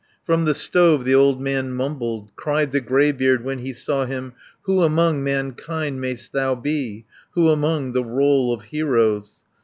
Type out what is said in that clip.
From the stove the old man mumbled, Cried the greybeard when he saw him, "Who among mankind may'st thou be, Who among the roll of heroes?